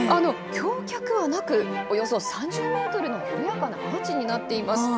橋脚はなく、およそ３０メートルの緩やかなアーチになっています。